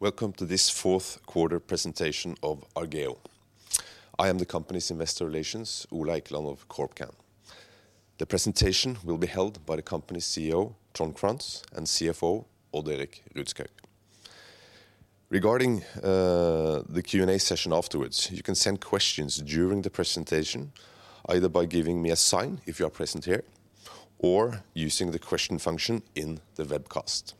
Welcome to this fourth quarter presentation of Argeo. I am the company's Investor Relations, Ola Eikeland of CorpCann. The presentation will be held by the company's CEO, Trond Crantz, and CFO, Odd Erik Rudshaug. Regarding the Q&A session afterwards, you can send questions during the presentation, either by giving me a sign if you are present here, or using the question function in the webcast.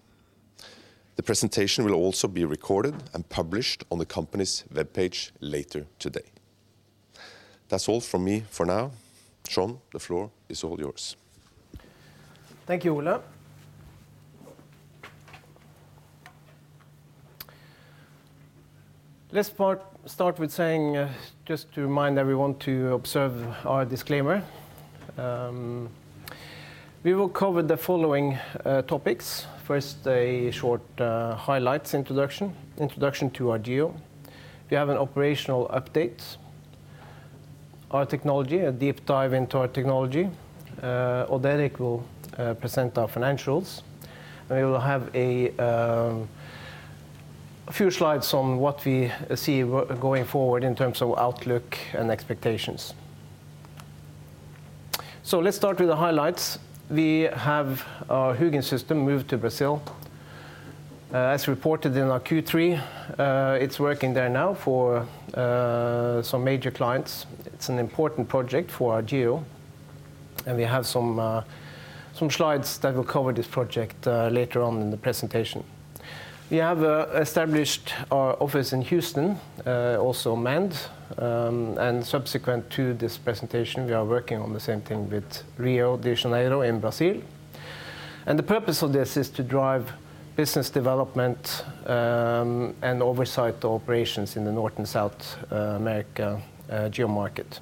The presentation will also be recorded and published on the company's webpage later today. That's all from me for now. Trond, the floor is all yours. Thank you, Ola. Let's start with saying just to remind everyone to observe our disclaimer. We will cover the following topics. First, a short highlights introduction to Argeo. We have an operational update. Our technology, a deep dive into our technology. Odd-Erik will present our financials, and we will have a few slides on what we see going forward in terms of outlook and expectations. Let's start with the highlights. We have our HUGIN system moved to Brazil, as reported in our Q3. It's working there now for some major clients. It's an important project for Argeo, and we have some slides that will cover this project later on in the presentation. We have established our office in Houston, also manned. Subsequent to this presentation, we are working on the same thing with Rio de Janeiro in Brazil. The purpose of this is to drive business development and oversight operations in the North and South America geomarket.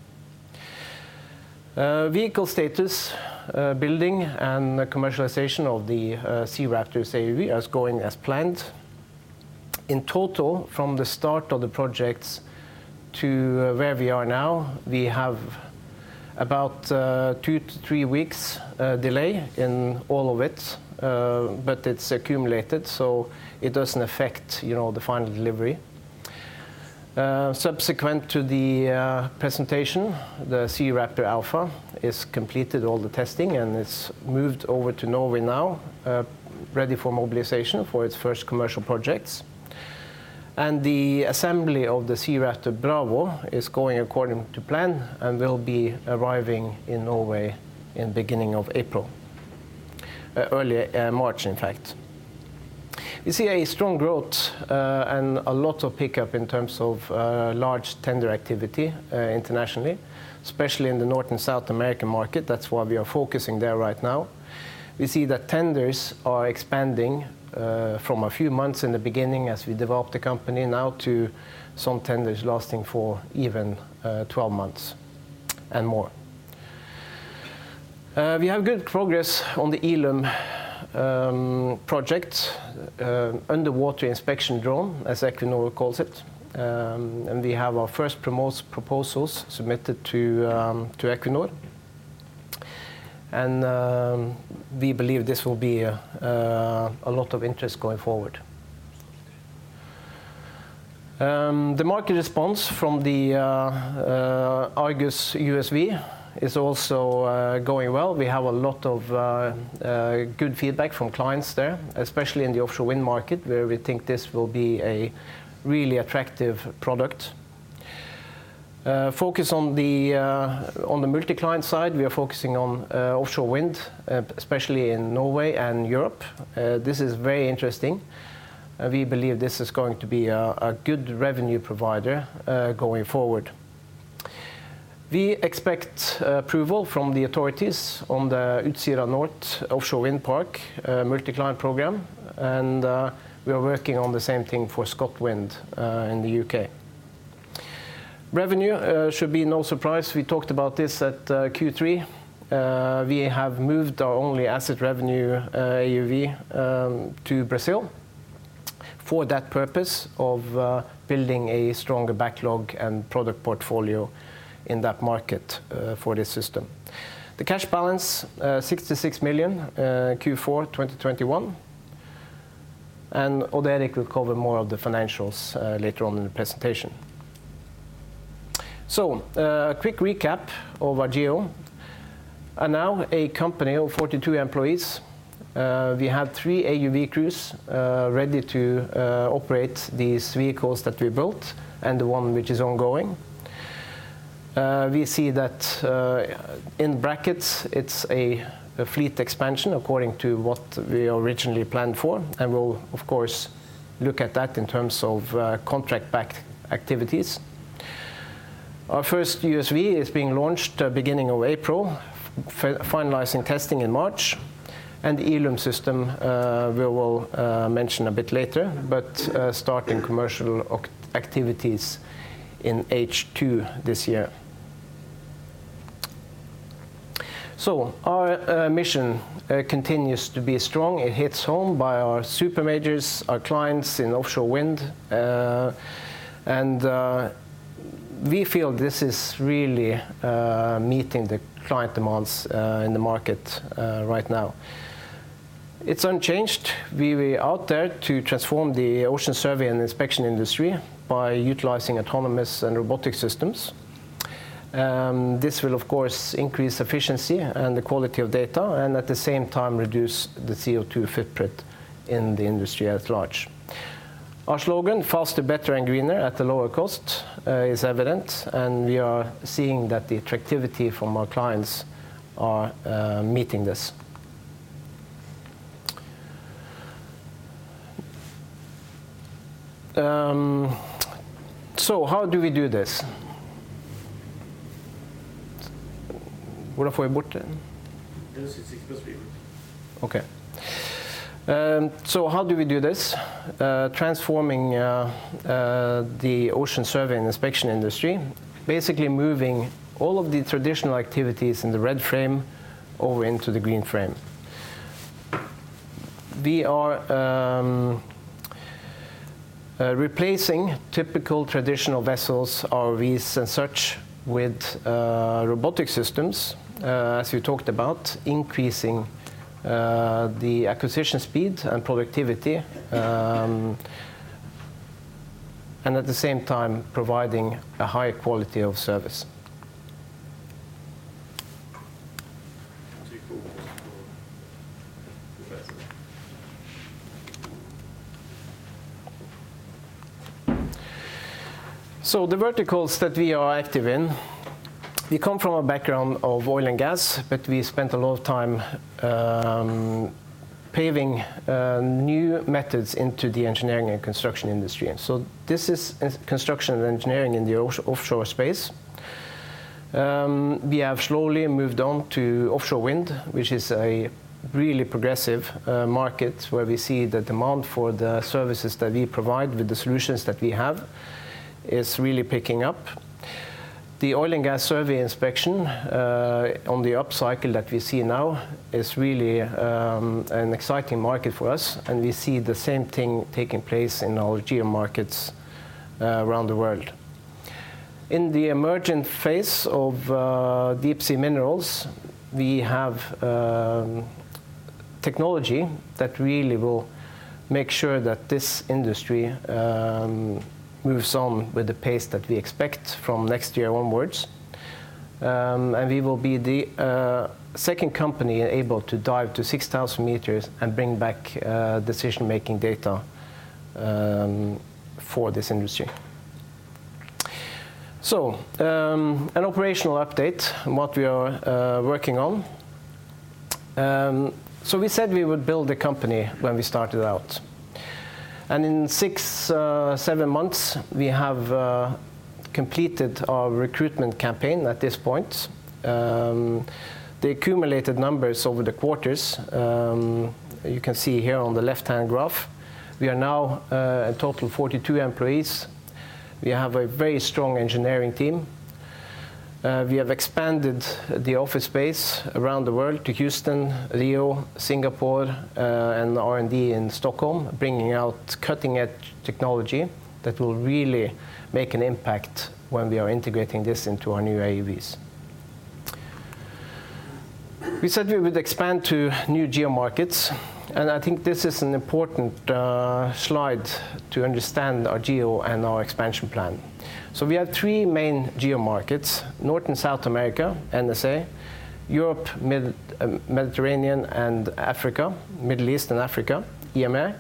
Vehicle status, building, and the commercialization of the SeaRaptor AUV is going as planned. In total, from the start of the projects to where we are now, we have about 2 weeks-3 weeks delay in all of it, but it's accumulated, so it doesn't affect, you know, the final delivery. Subsequent to the presentation, the SeaRaptor Alpha has completed all the testing, and it's moved over to Norway now ready for mobilization for its first commercial projects. The assembly of the SeaRaptor Bravo is going according to plan and will be arriving in Norway in beginning of April. Early March, in fact. We see a strong growth and a lot of pickup in terms of large tender activity internationally, especially in the North and South American market. That's why we are focusing there right now. We see that tenders are expanding from a few months in the beginning as we developed the company now to some tenders lasting for even 12 months and more. We have good progress on the Eelume project, Underwater Inspection Drone, as Equinor calls it. We have our first proposals submitted to Equinor. We believe this will be a lot of interest going forward. The market response from the Argus USV is also going well. We have a lot of good feedback from clients there, especially in the offshore wind market, where we think this will be a really attractive product. Focus on the multi-client side, we are focusing on offshore wind, especially in Norway and Europe. This is very interesting. We believe this is going to be a good revenue provider going forward. We expect approval from the authorities on the Utsira North offshore wind park multi-client program, and we are working on the same thing for ScotWind in the U.K. Revenue should be no surprise. We talked about this at Q3. We have moved our only asset revenue AUV to Brazil for that purpose of building a stronger backlog and product portfolio in that market for this system. The cash balance 66 million Q4 2021, and Odd-Erik will cover more of the financials later on in the presentation. A quick recap of Argeo. We are now a company of 42 employees. We have 3 AUV crews ready to operate these vehicles that we built and the one which is ongoing. We see that, in brackets, it's a fleet expansion according to what we originally planned for, and we'll of course look at that in terms of contract-backed activities. Our first USV is being launched beginning of April, finalizing testing in March. The Eelume system, we will mention a bit later, but starting commercial activities in H2 this year. Our mission continues to be strong. It hits home by our super majors, our clients in offshore wind, and we feel this is really meeting the client demands in the market right now. It's unchanged. We're out there to transform the ocean survey and inspection industry by utilizing autonomous and robotic systems. This will, of course, increase efficiency and the quality of data and at the same time reduce the CO₂ footprint in the industry at large. Our slogan, faster, better and greener at a lower cost, is evident, and we are seeing that the attractiveness from our clients are meeting this. How do we do this? How do we do this, transforming the ocean survey and inspection industry, basically moving all of the traditional activities in the red frame over into the green frame. We are replacing typical traditional vessels, ROVs and such, with robotic systems, as we talked about, increasing the acquisition speed and productivity, and at the same time, providing a higher quality of service. The verticals that we are active in, we come from a background of oil and gas, but we spent a lot of time paving new methods into the engineering and construction industry. This is construction and engineering in the offshore space. We have slowly moved on to offshore wind, which is a really progressive market where we see the demand for the services that we provide with the solutions that we have is really picking up. The oil and gas survey inspection on the upcycle that we see now is really an exciting market for us, and we see the same thing taking place in our geo markets around the world. In the emerging phase of deep sea minerals, we have technology that really will make sure that this industry moves on with the pace that we expect from next year onwards. We will be the second company able to dive to 6,000 meters and bring back decision-making data for this industry. An operational update on what we are working on. We said we would build a company when we started out. In 6, 7 months, we have completed our recruitment campaign at this point. The accumulated numbers over the quarters, you can see here on the left-hand graph, we are now a total of 42 employees. We have a very strong engineering team. We have expanded the office space around the world to Houston, Rio, Singapore, and R&D in Stockholm, bringing out cutting-edge technology that will really make an impact when we are integrating this into our new AUVs. We said we would expand to new geo markets, and I think this is an important slide to understand our geo and our expansion plan. We have three main geo markets, North and South America, NSA, Europe, Mediterranean and Africa, Middle East and Africa, EMA,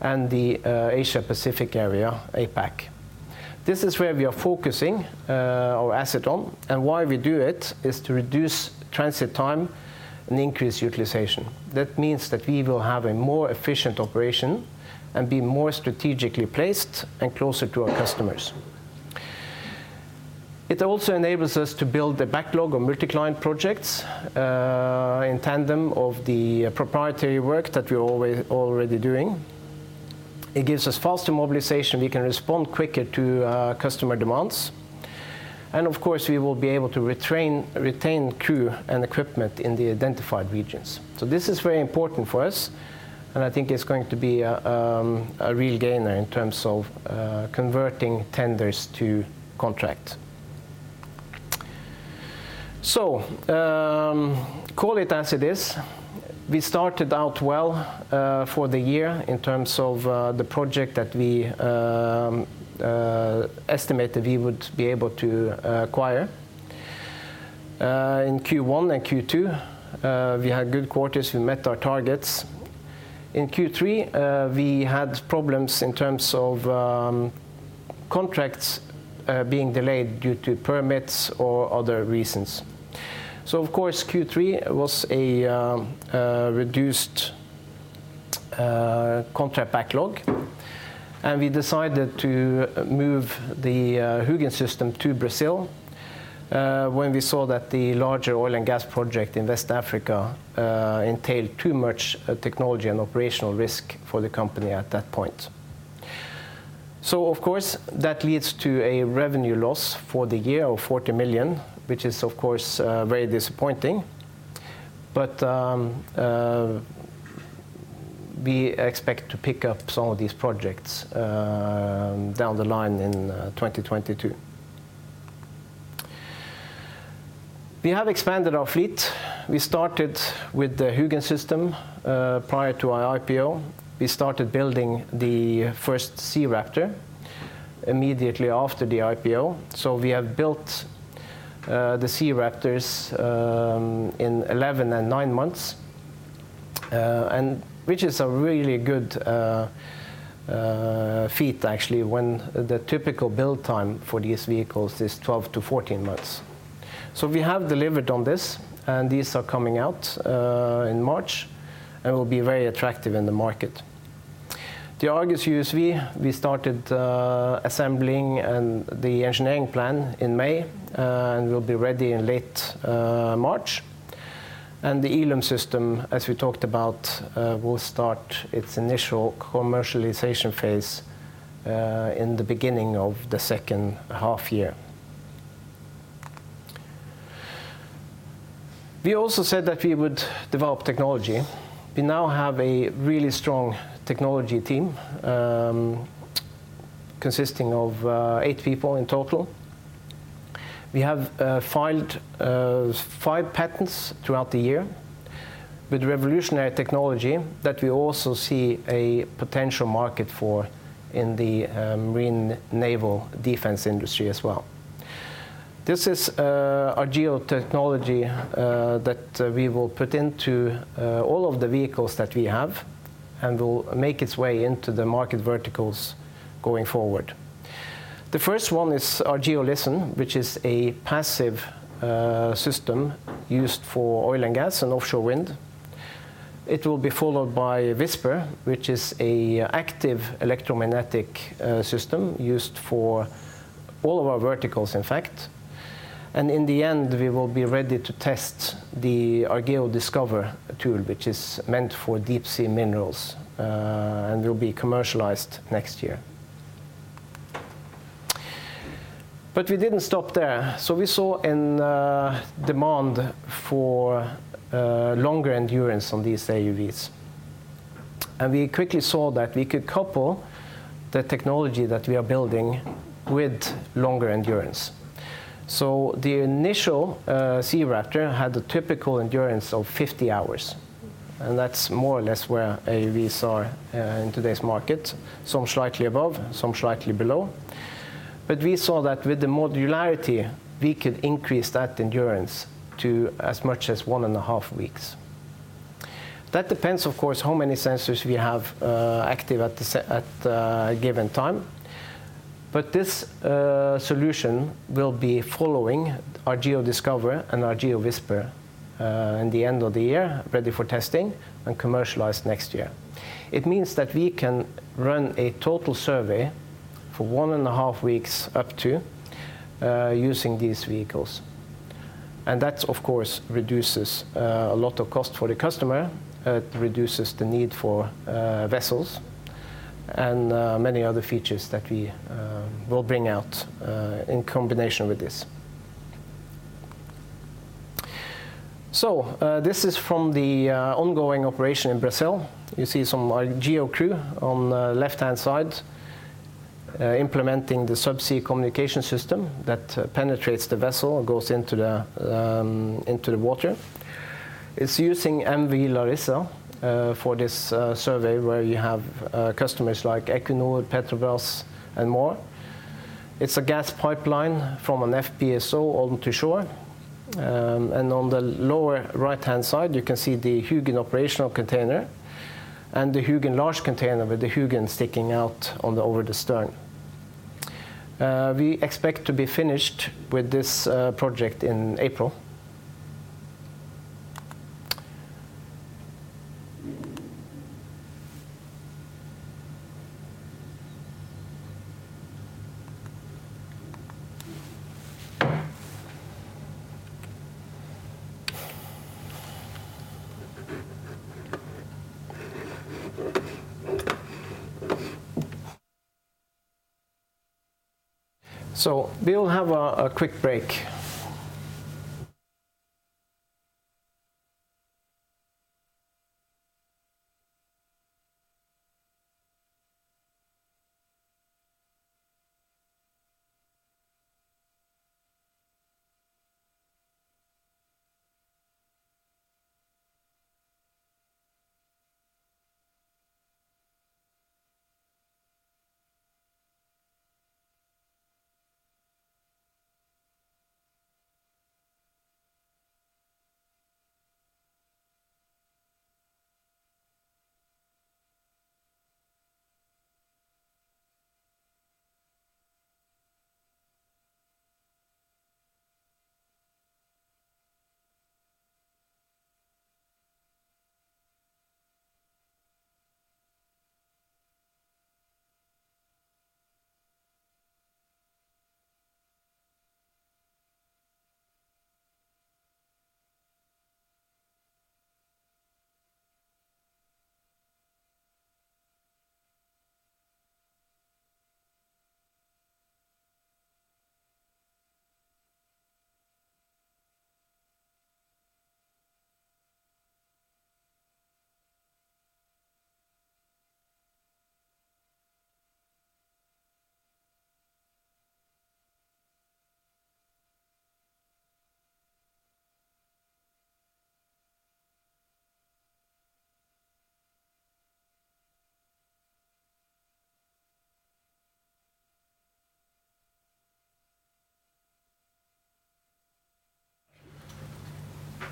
and the Asia Pacific area, APAC. This is where we are focusing our asset on. Why we do it is to reduce transit time and increase utilization. That means that we will have a more efficient operation and be more strategically placed and closer to our customers. It also enables us to build a backlog of multi-client projects in tandem with the proprietary work that we're already doing. It gives us faster mobilization. We can respond quicker to customer demands. Of course, we will be able to retain crew and equipment in the identified regions. This is very important for us, and I think it's going to be a real gainer in terms of converting tenders to contract. Call it as it is. We started out well for the year in terms of the project that we estimated we would be able to acquire. In Q1 and Q2, we had good quarters. We met our targets. In Q3, we had problems in terms of contracts being delayed due to permits or other reasons. Of course, Q3 was a reduced contract backlog, and we decided to move the HUGIN system to Brazil when we saw that the larger oil and gas project in West Africa entailed too much technology and operational risk for the company at that point. Of course, that leads to a revenue loss for the year of 40 million, which is of course very disappointing. We expect to pick up some of these projects down the line in 2022. We have expanded our fleet. We started with the HUGIN system prior to our IPO. We started building the first SeaRaptor immediately after the IPO. We have built the SeaRaptors in 11 months and 9 months, and which is a really good feat actually, when the typical build time for these vehicles is 12 months-14 months. We have delivered on this, and these are coming out in March, and will be very attractive in the market. The Argus USV, we started assembling and the engineering plan in May, and will be ready in late March. The Eelume system, as we talked about, will start its initial commercialization phase in the beginning of the second half year. We also said that we would develop technology. We now have a really strong technology team consisting of eight people in total. We have filed five patents throughout the year with revolutionary technology that we also see a potential market for in the marine naval defense industry as well. This is our Geo technology that we will put into all of the vehicles that we have and will make its way into the market verticals going forward. The first one is our Argeo LISTEN, which is a passive system used for oil and gas and offshore wind. It will be followed by Whisper, which is an active electromagnetic system used for all of our verticals, in fact. In the end, we will be ready to test the Argeo Discover tool, which is meant for deep sea minerals, and will be commercialized next year. We didn't stop there. We saw a demand for longer endurance on these AUVs, and we quickly saw that we could couple the technology that we are building with longer endurance. The initial SeaRaptor had a typical endurance of 50 hours, and that's more or less where AUVs are in today's market, some slightly above, some slightly below. We saw that with the modularity, we could increase that endurance to as much as one and a half weeks. That depends, of course, how many sensors we have active at a given time. This solution will be following our Argeo Discover and our Argeo Whisper in the end of the year, ready for testing and commercialized next year. It means that we can run a total survey for one and a half weeks up to using these vehicles. That, of course, reduces a lot of cost for the customer. It reduces the need for vessels and many other features that we will bring out in combination with this. This is from the ongoing operation in Brazil. You see some of our Geo crew on the left-hand side implementing the subsea communication system that penetrates the vessel and goes into the water. It's using MV Larissa for this survey where you have customers like Equinor, Petrobras, and more. It's a gas pipeline from an FPSO onto shore, and on the lower right-hand side, you can see the HUGIN operational container and the HUGIN large container with the HUGIN sticking out over the stern. We expect to be finished with this project in April. We will have a quick break.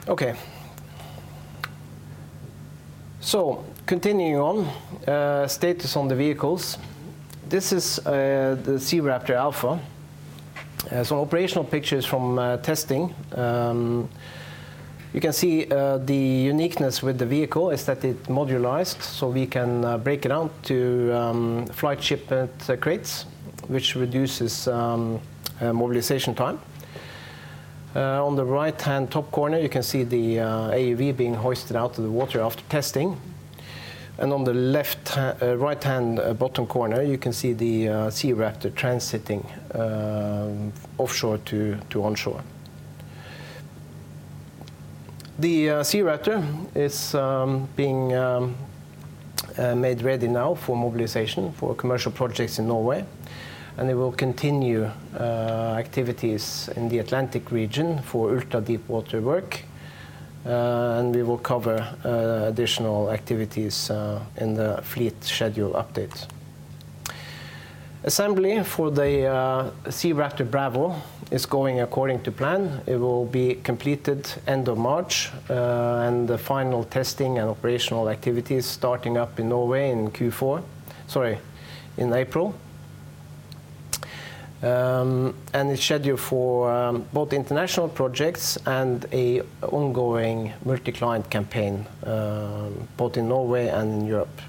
Okay. Continuing on, status on the vehicles. This is the SeaRaptor Alpha. Some operational pictures from testing. You can see the uniqueness with the vehicle is that it's modularized, so we can break it out to flight shipment crates, which reduces mobilization time. On the right-hand top corner, you can see the AUV being hoisted out of the water after testing. On the right-hand bottom corner, you can see the SeaRaptor transiting offshore to onshore. The SeaRaptor is being made ready now for mobilization for commercial projects in Norway, and it will continue activities in the Atlantic region for ultra-deep water work, and we will cover additional activities in the fleet schedule update. Assembly for the SeaRaptor Bravo is going according to plan. It will be completed end of March, and the final testing and operational activities starting up in Norway in April. It's scheduled for both international projects and an ongoing multi-client campaign both in Norway and in Europe.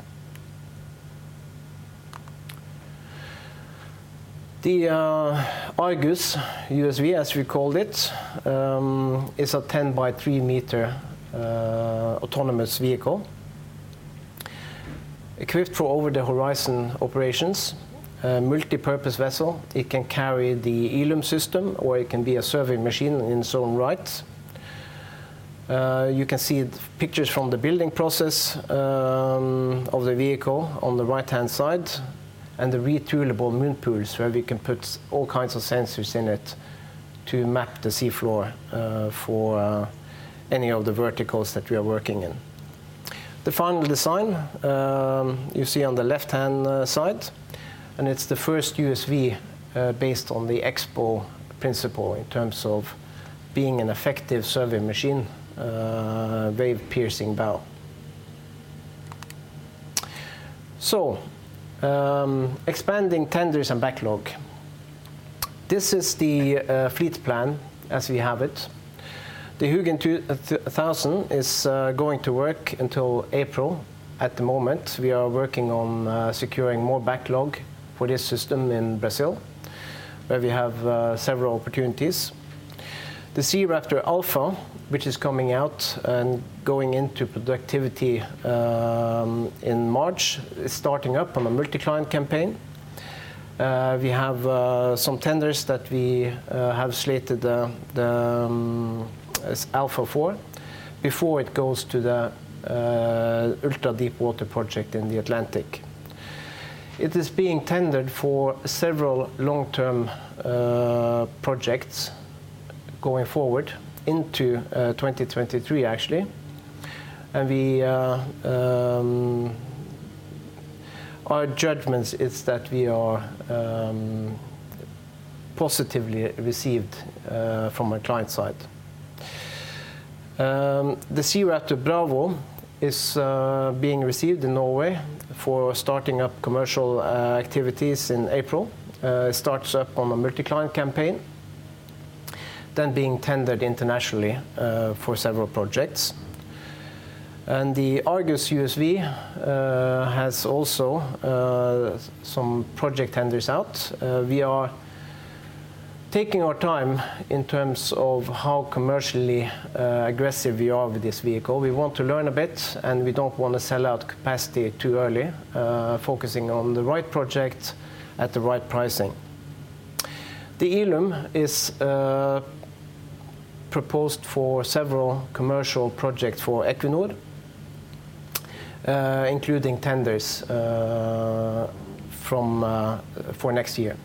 The Argus USV, as we call it, is a 10-by-3-meter autonomous vehicle. Equipped for over-the-horizon operations, a multipurpose vessel, it can carry the Eelume system, or it can be a survey machine in its own right. You can see pictures from the building process of the vehicle on the right-hand side and the retoolable moon pools, where we can put all kinds of sensors in it to map the sea floor for any of the verticals that we are working in. The final design you see on the left-hand side, and it's the first USV based on the Expo principle in terms of being an effective survey machine, wave-piercing bow. Expanding tenders and backlog. This is the fleet plan as we have it. The Hugin 2000 is going to work until April. At the moment, we are working on securing more backlog for this system in Brazil, where we have several opportunities. The SeaRaptor Alpha, which is coming out and going into productivity in March, is starting up on a multi-client campaign. We have some tenders that we have slated as Alpha Four before it goes to the ultra-deep water project in the Atlantic. It is being tendered for several long-term projects going forward into 2023 actually, and our judgments is that we are positively received from a client side. The SeaRaptor Bravo is being received in Norway for starting up commercial activities in April. It starts up on a multi-client campaign, then being tendered internationally for several projects. The Argus USV has also some project tenders out. We are taking our time in terms of how commercially aggressive we are with this vehicle. We want to learn a bit, and we don't wanna sell out capacity too early, focusing on the right project at the right pricing. The Eelume is proposed for several commercial projects for Equinor, including tenders for next year.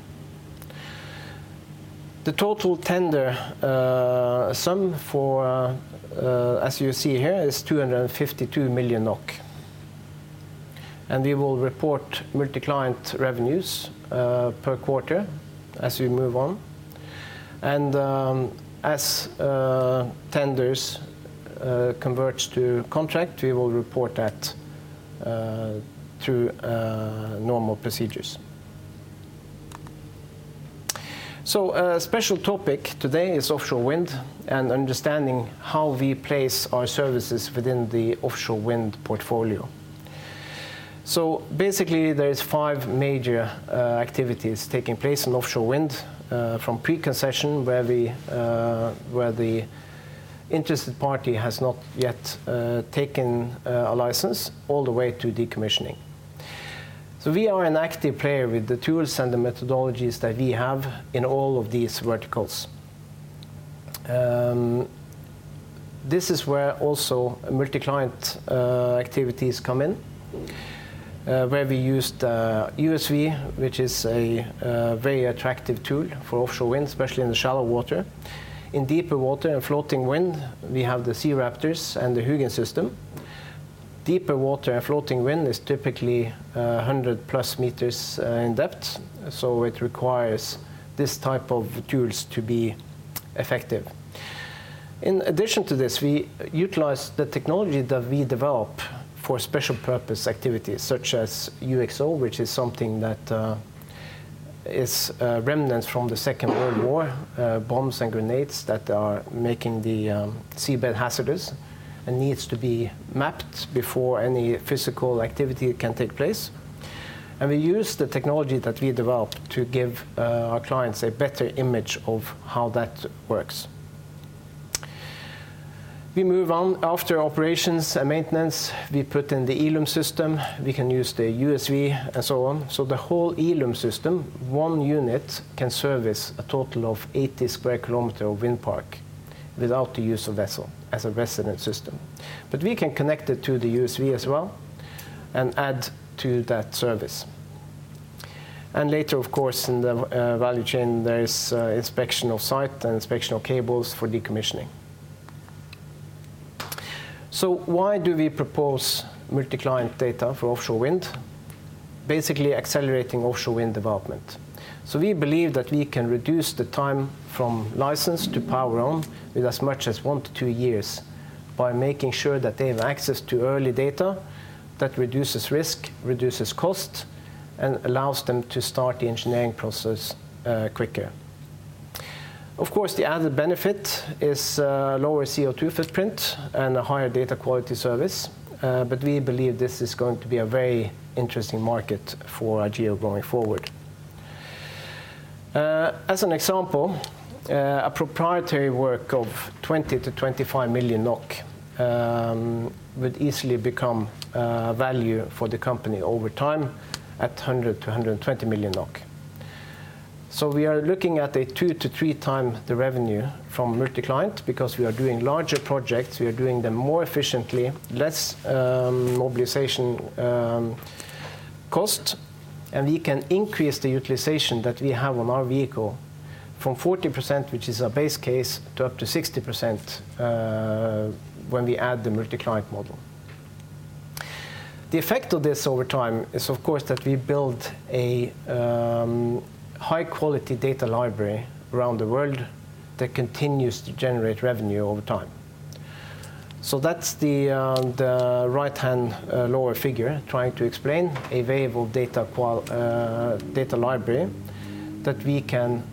The total tender sum, as you see here, is 252 million NOK. We will report multi-client revenues per quarter as we move on. As tenders converts to contract, we will report that through normal procedures. A special topic today is offshore wind and understanding how we place our services within the offshore wind portfolio. Basically, there is five major activities taking place in offshore wind from pre-concession, where the interested party has not yet taken a license, all the way to decommissioning. We are an active player with the tools and the methodologies that we have in all of these verticals. This is where also multi-client activities come in, where we use the USV, which is a very attractive tool for offshore wind, especially in the shallow water. In deeper water and floating wind, we have the SeaRaptors and the HUGIN system. Deeper water and floating wind is typically 100+ meters in depth, so it requires this type of tools to be effective. In addition to this, we utilize the technology that we develop for special purpose activities, such as UXO, which is something that is remnants from the Second World War, bombs and grenades that are making the seabed hazardous and needs to be mapped before any physical activity can take place. We use the technology that we developed to give our clients a better image of how that works. We move on after operations and maintenance. We put in the Eelume system. We can use the USV and so on. The whole Eelume system, one unit can service a total of 80 square kilometers of wind park without the use of vessel as a resident system. We can connect it to the USV as well and add to that service. Later, of course, in the value chain, there is inspection of site and inspection of cables for decommissioning. Why do we propose multi-client data for offshore wind? Basically accelerating offshore wind development. We believe that we can reduce the time from license to power on with as much as 1 year-2 years by making sure that they have access to early data that reduces risk, reduces cost, and allows them to start the engineering process quicker. Of course, the added benefit is lower CO₂ footprint and a higher data quality service, but we believe this is going to be a very interesting market for Argeo going forward. As an example, a proprietary work of 20 million-25 million NOK would easily become value for the company over time at 100 million-120 million NOK. We are looking at two to three times the revenue from multi-client because we are doing larger projects, we are doing them more efficiently, less mobilization cost, and we can increase the utilization that we have on our vehicle from 40%, which is our base case, to up to 60%, when we add the multi-client model. The effect of this over time is, of course, that we build a high-quality data library around the world that continues to generate revenue over time. That's the right-hand lower figure trying to explain available data library that we can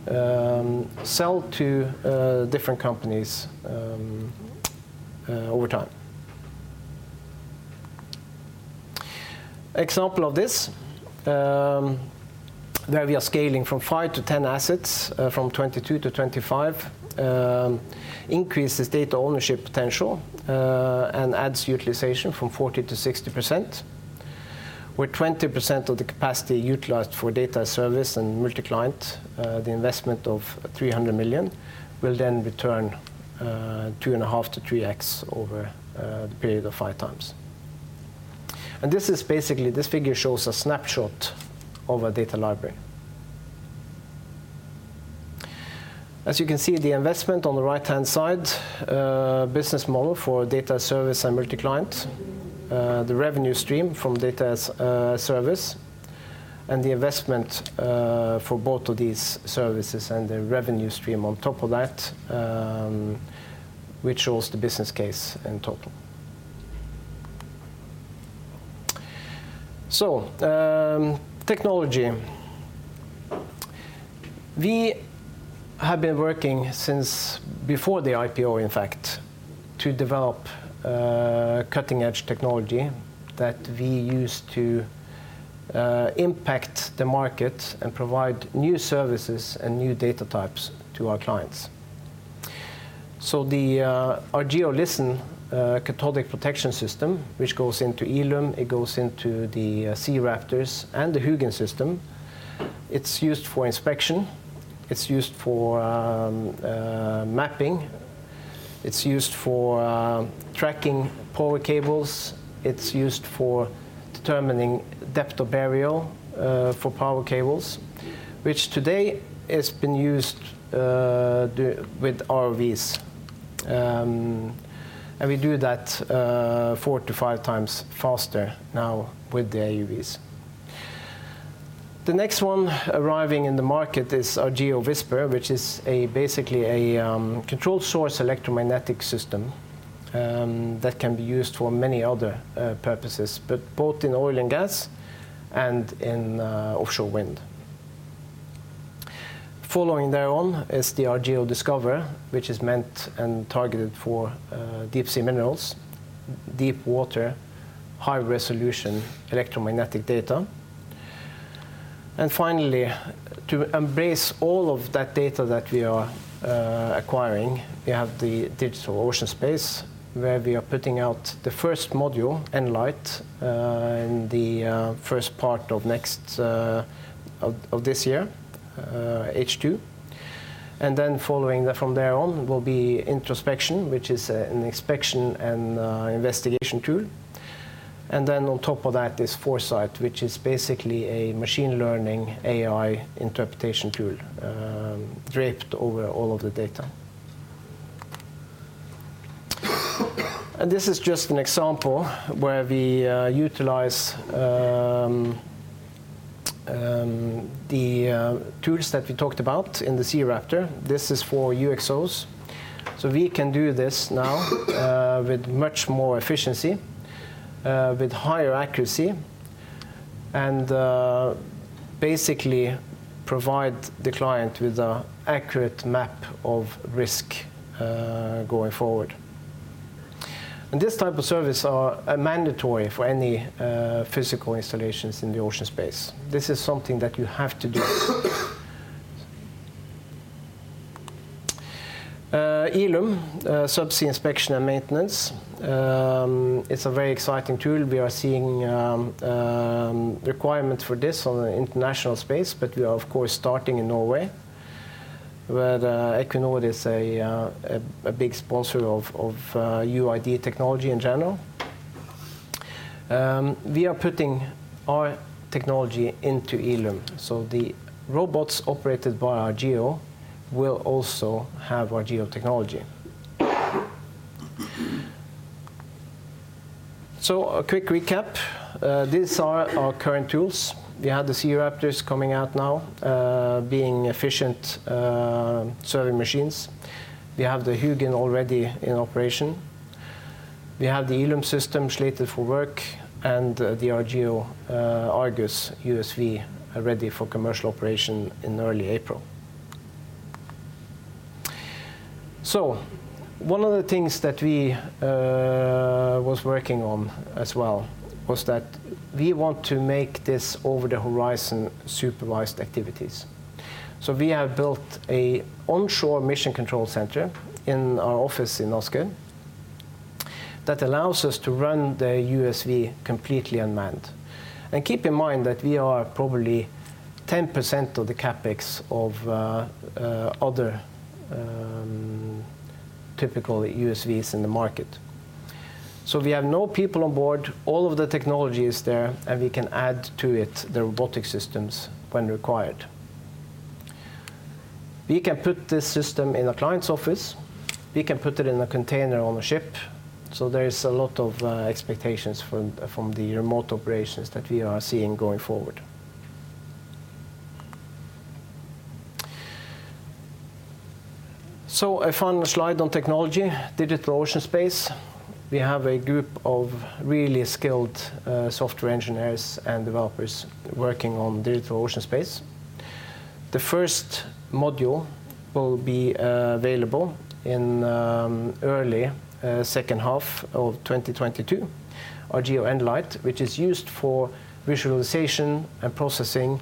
sell to different companies over time. Example of this, where we are scaling from 5 to 10 assets, from 22 to 25, increases data ownership potential, and adds utilization from 40% to 60%, with 20% of the capacity utilized for data service and multi-client. The investment of 300 million will then return 2.5x to 3x over the period of five years. This is basically. This figure shows a snapshot of a data library. As you can see, the investment on the right-hand side, business model for data service and multi-client, the revenue stream from data service, and the investment for both of these services and the revenue stream on top of that, which shows the business case in total. Technology. We have been working since before the IPO, in fact, to develop cutting-edge technology that we use to impact the market and provide new services and new data types to our clients. Our LISTEN cathodic protection system, which goes into Eelume, it goes into the SeaRaptors and the HUGIN system, it's used for inspection, it's used for mapping, it's used for tracking power cables, it's used for determining depth of burial for power cables, which today has been used with ROVs, and we do that 4x to 5x faster now with the AUVs. The next one arriving in the market is our Whisper, which is basically a controlled source electromagnetic system that can be used for many other purposes, but both in oil and gas and in offshore wind. Following thereon is the Argeo Discover, which is meant and targeted for deep sea minerals, deep water, high-resolution electromagnetic data. Finally, to embrace all of that data that we are acquiring, we have the Digital Ocean Space, where we are putting out the first module, N-Light, in the first part of this year, H2. Then following that from there on will be Introspection, which is an inspection and investigation tool. Then on top of that is Foresight, which is basically a machine learning AI interpretation tool draped over all of the data. This is just an example where we utilize the tools that we talked about in the SeaRaptor. This is for UXOs. We can do this now with much more efficiency with higher accuracy and basically provide the client with an accurate map of risk going forward. This type of service are mandatory for any physical installations in the ocean space. This is something that you have to do. Eelume subsea inspection and maintenance. It's a very exciting tool. We are seeing requirements for this on the international space, but we are of course starting in Norway, where the Equinor is a big sponsor of UID technology in general. We are putting our technology into Eelume, so the robots operated by Argeo will also have Argeo technology. A quick recap. These are our current tools. We have the SeaRaptors coming out now being efficient survey machines. We have the HUGIN already in operation. We have the Eelume system slated for work and the Argeo Argus USV are ready for commercial operation in early April. One of the things that we was working on as well was that we want to make this over the horizon supervised activities. We have built a onshore mission control center in our office in Oslo that allows us to run the USV completely unmanned. Keep in mind that we are probably 10% of the CapEx of other typical USVs in the market. We have no people on board, all of the technology is there, and we can add to it the robotic systems when required. We can put this system in a client's office. We can put it in a container on a ship. There is a lot of expectations from the remote operations that we are seeing going forward. A final slide on technology, Digital Ocean Space. We have a group of really skilled software engineers and developers working on Digital Ocean Space. The first module will be available in early second half of 2022. Argeo N-Light, which is used for visualization and processing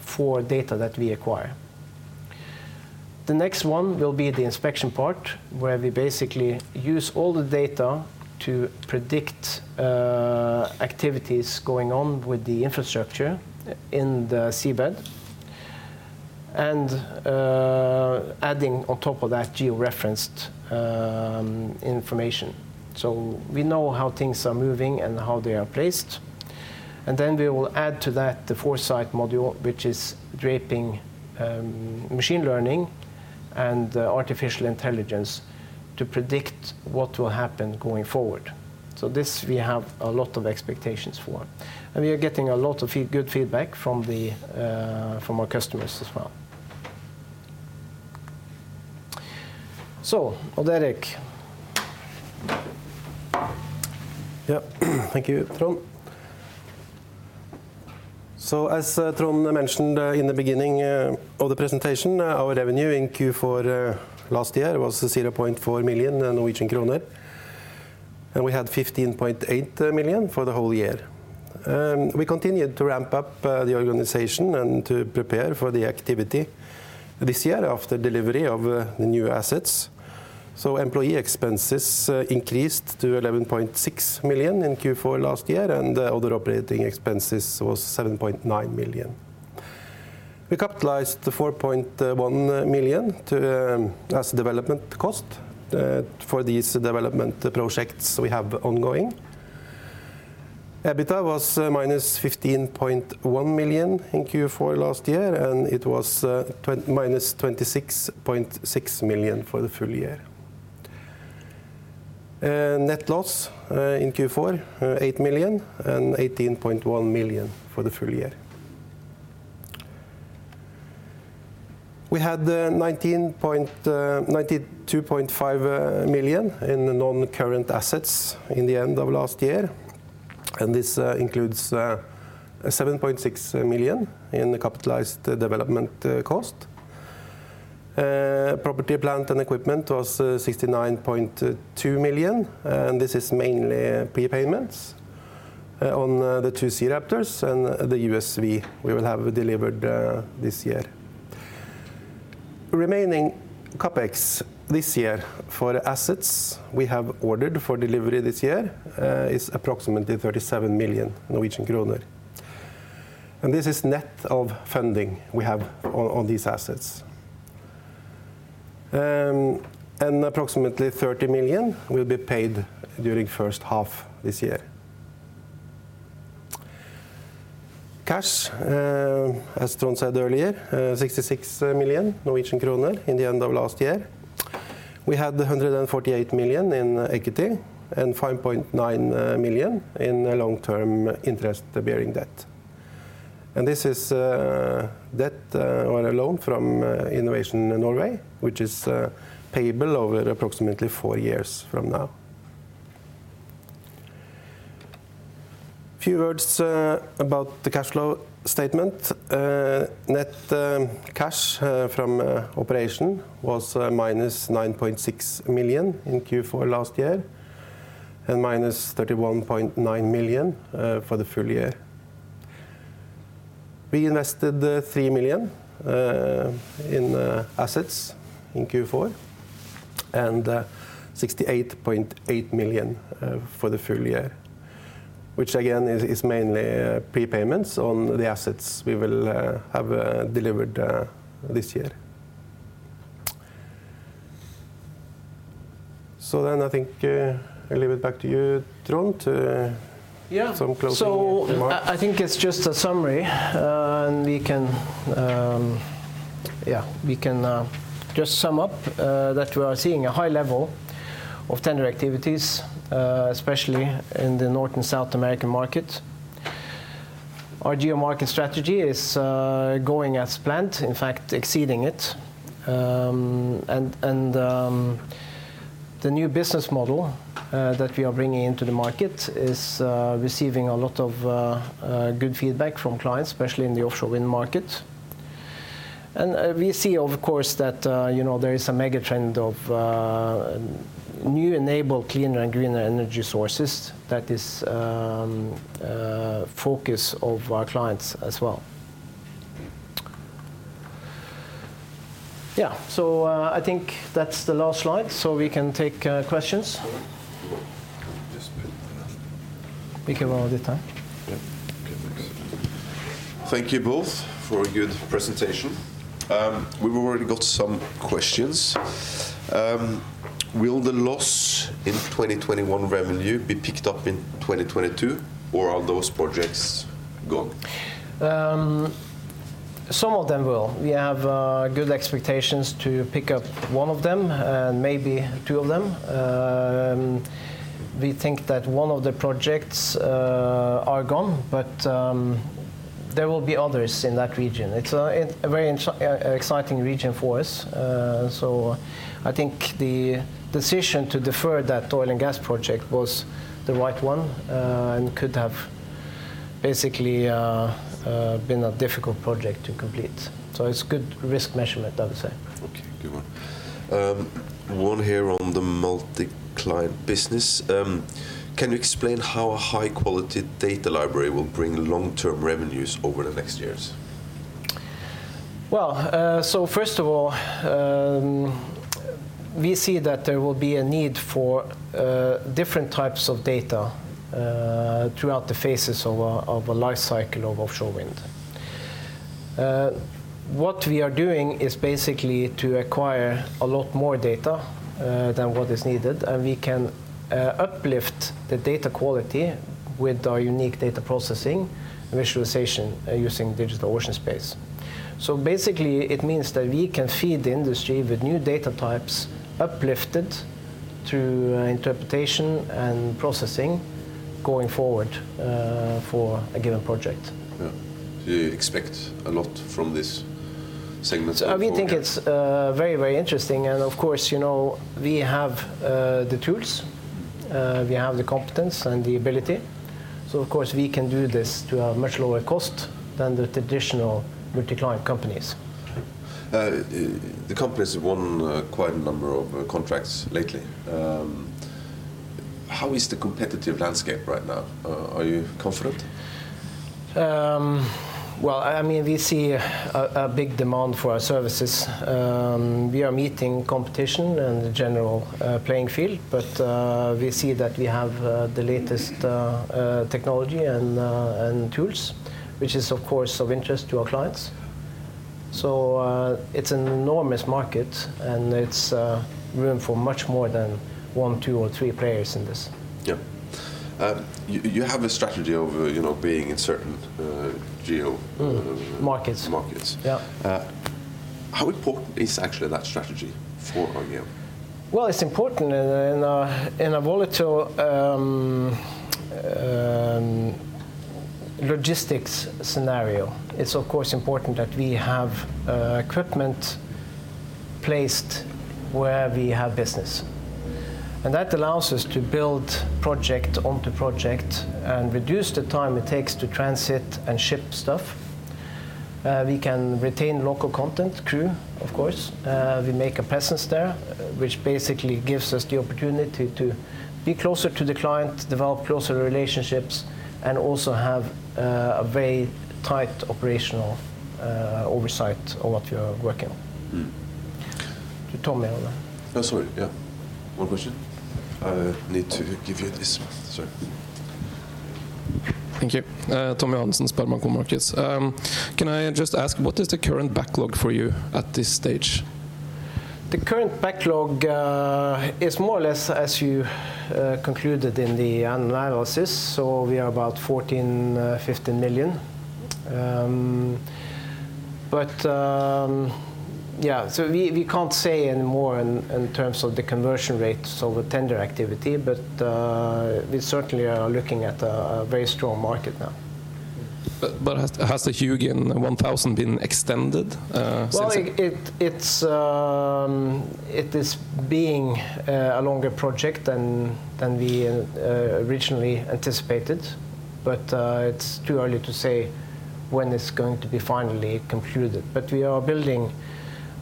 for data that we acquire. The next one will be the inspection part, where we basically use all the data to predict activities going on with the infrastructure in the seabed, and adding on top of that geo-referenced information. We know how things are moving and how they are placed. Then we will add to that the Foresight module, which is draping machine learning and artificial intelligence to predict what will happen going forward. This we have a lot of expectations for, and we are getting a lot of feel-good feedback from our customers as well. Odd Erik. Thank you, Trond. As Trond mentioned in the beginning of the presentation, our revenue in Q4 last year was NOK 0.4 million, and we had 15.8 million for the whole year. We continued to ramp up the organization and to prepare for the activity this year after delivery of the new assets. Employee expenses increased to 11.6 million in Q4 last year, and the other operating expenses was 7.9 million. We capitalized 4.1 million as development cost for these development projects we have ongoing. EBITDA was -15.1 million in Q4 last year, and it was -26.6 million for the full year. Net loss in Q4 8 million and 18.1 million for the full year. We had 92.5 million in non-current assets at the end of last year, and this includes 7.6 million in the capitalized development cost. Property, plant and equipment was 69.2 million, and this is mainly prepayments on the two SeaRaptors and the USV we will have delivered this year. Remaining CapEx this year for assets we have ordered for delivery this year is approximately NOK 37 million. This is net of funding we have on these assets. Approximately 30 million will be paid during first half this year. Cash, as Trond said earlier, 66 million Norwegian kroner at the end of last year. We had 148 million in equity and 5.9 million in long-term interest-bearing debt. This is debt or a loan from Innovation Norway, which is payable over approximately four years from now. A few words about the cash flow statement. Net cash from operation was -9.6 million in Q4 last year, and -31.9 million for the full year. We invested 3 million in assets in Q4 and 68.8 million for the full year, which again is mainly prepayments on the assets we will have delivered this year. I think I leave it back to you, Trond, to- Yeah Some closing remarks. I think it's just a summary, and we can just sum up that we are seeing a high level of tender activities, especially in the North and South American market. Our geo-market strategy is going as planned, in fact, exceeding it. The new business model that we are bringing into the market is receiving a lot of good feedback from clients, especially in the offshore wind market. We see of course that you know there is a mega-trend of new enabled cleaner and greener energy sources that is focus of our clients as well. I think that's the last slide, so we can take questions. All right. Cool. We gave away the time? Yeah. Okay, thanks. Thank you both for a good presentation. We've already got some questions. Will the loss in 2021 revenue be picked up in 2022, or are those projects gone? Some of them will. We have good expectations to pick up one of them and maybe two of them. We think that one of the projects are gone, but there will be others in that region. It's a very exciting region for us. I think the decision to defer that oil and gas project was the right one, and could have basically been a difficult project to complete. It's good risk measurement, I would say. Okay. Good one. One here on the multi-client business. Can you explain how a high quality data library will bring long-term revenues over the next years? Well, first of all, we see that there will be a need for different types of data throughout the phases of a life cycle of offshore wind. What we are doing is basically to acquire a lot more data than what is needed, and we can uplift the data quality with our unique data processing visualization using Digital Ocean Space. Basically, it means that we can feed the industry with new data types uplifted through interpretation and processing going forward for a given project. Yeah. Do you expect a lot from this segment going forward? I think it's very, very interesting. Of course, you know, we have the tools, we have the competence and the ability, so of course, we can do this to a much lower cost than the traditional multi-client companies. Okay. The company's won quite a number of contracts lately. How is the competitive landscape right now? Are you confident? Well, I mean, we see a big demand for our services. We are meeting competition in the general playing field, but we see that we have the latest technology and tools, which is of course of interest to our clients. It's an enormous market, and there's room for much more than one, two, or three players in this. Yeah. You have a strategy of, you know, being in certain geo Markets Markets. Yeah. How important is actually that strategy for OGM? Well, it's important in a volatile logistics scenario. It's of course important that we have equipment placed where we have business. That allows us to build project onto project and reduce the time it takes to transit and ship stuff. We can retain local content, crew, of course, we make a presence there, which basically gives us the opportunity to be closer to the client, develop closer relationships and also have a very tight operational oversight of what we are working on. Mm. To Tommy on that. Oh, sorry, yeah. One question. I need to give you this, sorry. Thank you. Tommy Johannessen, SpareBank 1 Markets. Can I just ask, what is the current backlog for you at this stage? The current backlog is more or less as you concluded in the analysis. We are about 14-15 million. Yeah, we can't say any more in terms of the conversion rates or the tender activity, but we certainly are looking at a very strong market now. Has the Hugin 1000 been extended since? Well, it's being a longer project than we originally anticipated, but it's too early to say when it's going to be finally concluded. We are building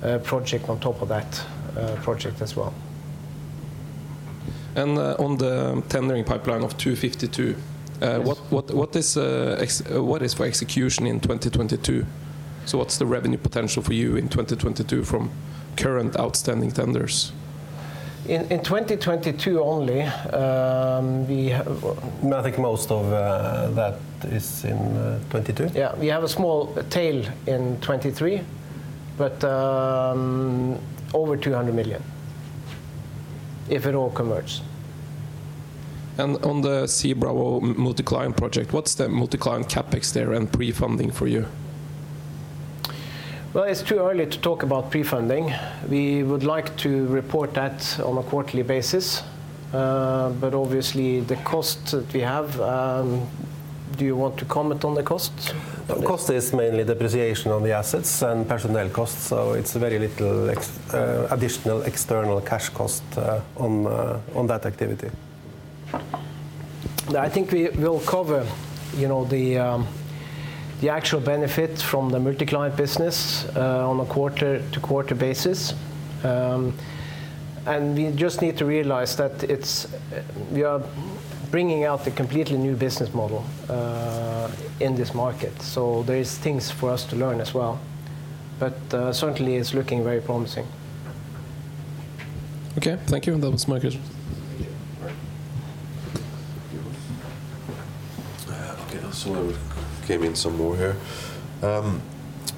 a project on top of that project as well. on the tendering pipeline of 252- Yes What is for execution in 2022? What's the revenue potential for you in 2022 from current outstanding tenders? In 2022 only, we have. I think most of that is in 2022. Yeah. We have a small tail in 2023, but over 200 million, if it all converts. On the SeaRaptor Bravo multi-client project, what's the multi-client CapEx there and prefunding for you? Well, it's too early to talk about prefunding. We would like to report that on a quarterly basis. Obviously the cost that we have. Do you want to comment on the cost? The cost is mainly depreciation on the assets and personnel costs, so it's very little additional external cash cost on that activity. I think we will cover, you know, the actual benefit from the multi-client business on a quarter-to-quarter basis. We just need to realize that it's. We are bringing out a completely new business model in this market, so there is things for us to learn as well. Certainly it's looking very promising. Okay, thank you. That was my questions. Yeah, all right. Okay, let's see what came in some more here.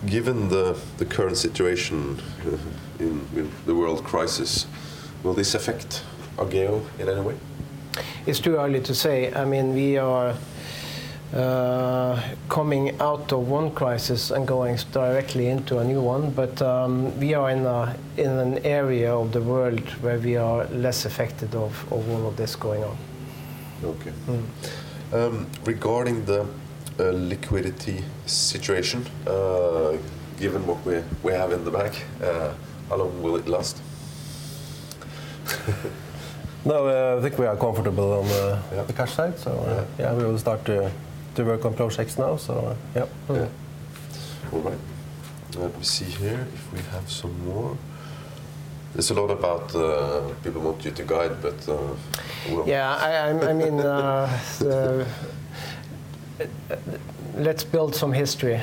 Given the current situation in the world crisis, will this affect Argeo in any way? It's too early to say. I mean, we are coming out of one crisis and going directly into a new one, but we are in an area of the world where we are less affected of all of this going on. Okay. Mm. Regarding the liquidity situation, given what we have in the bank, how long will it last? No, I think we are comfortable. Yeah the cash side. Yeah Yeah, we will start to work on projects now, so yeah. Yeah. All right. Let me see here if we have some more. There's a lot about, people want you to guide but, Yeah, I mean, let's build some history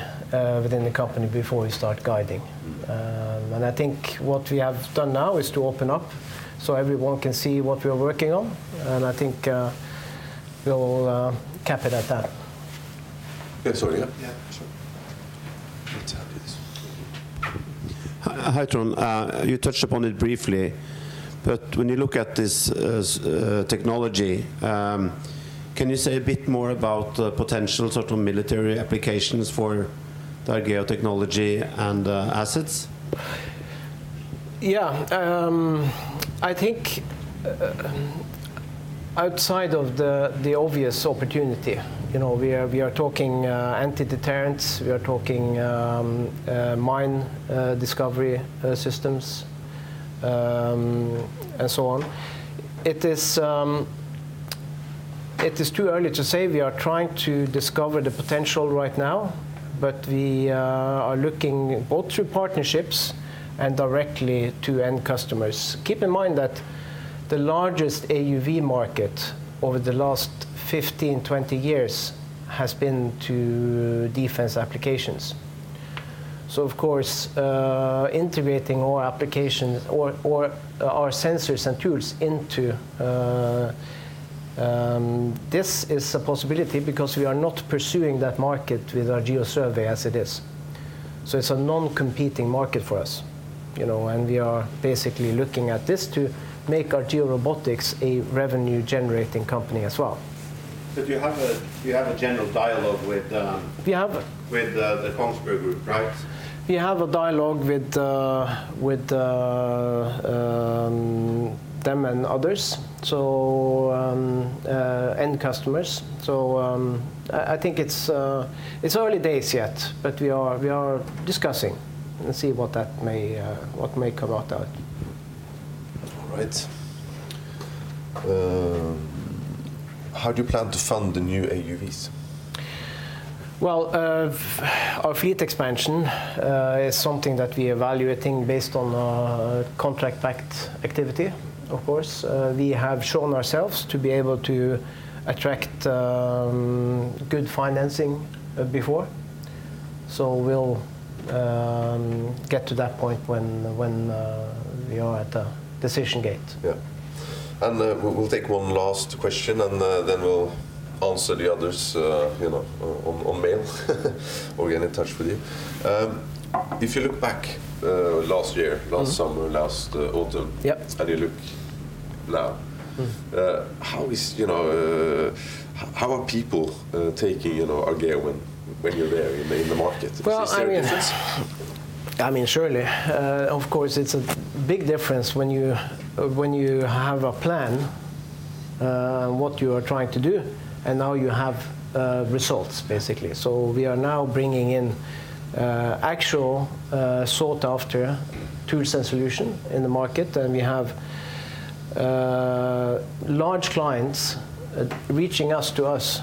within the company before we start guiding. I think what we have done now is to open up so everyone can see what we are working on, and I think we'll cap it at that. Yeah, sorry, yeah. Yeah, sure. Let's have this. Hi, Trond. You touched upon it briefly. When you look at this technology, can you say a bit more about the potential sort of military applications for the Argeo technology and assets? Yeah. I think outside of the obvious opportunity, you know, we are talking anti-deterrents, mine discovery systems, and so on. It is too early to say. We are trying to discover the potential right now, but we are looking both through partnerships and directly to end customers. Keep in mind that the largest AUV market over the last 15, 20 years has been to defense applications. Of course, integrating our applications or our sensors and tools into this is a possibility because we are not pursuing that market with our geo survey as it is. It's a non-competing market for us, you know, and we are basically looking at this to make our Argeo Robotics a revenue generating company as well. You have a general dialogue with Yeah with the Kongsberg Gruppen, right? We have a dialogue with them and others, end customers. I think it's early days yet, but we are discussing and see what may come out of it. All right. How do you plan to fund the new AUVs? Well, our fleet expansion is something that we're evaluating based on contract activity, of course. We have shown ourselves to be able to attract good financing before. We'll get to that point when we are at the decision gate. Yeah. We'll take one last question, and then we'll answer the others, you know, on mail or get in touch with you. If you look back last year- Mm. -last summer, last autumn- Yep. You look now. Mm. How are people taking, you know, Argeo when you're there in the market? Is there a difference? Well, I mean, surely. Of course it's a big difference when you have a plan on what you are trying to do, and now you have results, basically. We are now bringing in actual sought-after tools and solutions in the market. We have large clients reaching out to us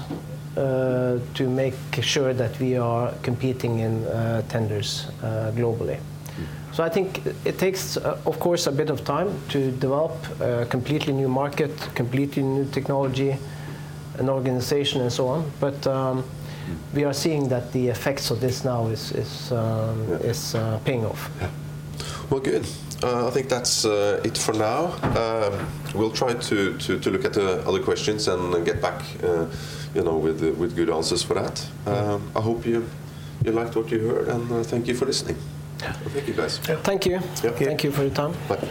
to make sure that we are competing in tenders globally. Mm-hmm. I think it takes, of course, a bit of time to develop a completely new market, completely new technology, an organization and so on. Mm-hmm. We are seeing that the effects of this now is paying off. Yeah. Well, good. I think that's it for now. We'll try to look at the other questions and get back, you know, with good answers for that. I hope you liked what you heard, and thank you for listening. Yeah. Thank you guys. Thank you. Yep. Thank you for your time. Bye.